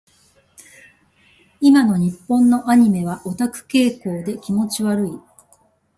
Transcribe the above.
今の日本のアニメはオタク傾向で気持ち悪い。